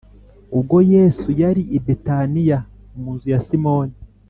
Ubwo Yesu yari i Betaniya mu nzu ya Simoni